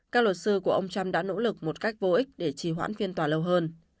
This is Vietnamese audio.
các luật sư của ông trump đã nỗ lực một cách vô ích để trì hoãn phiên tòa lâu hơn